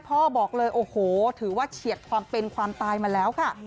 บอกเลยโอ้โหถือว่าเฉียดความเป็นความตายมาแล้วค่ะ